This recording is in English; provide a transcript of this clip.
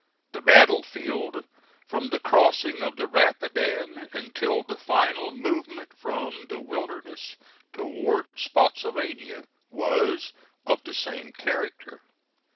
The battle field from the crossing of the Rapidan until the final movement from the Wilderness toward Spottsylvania was of the same character.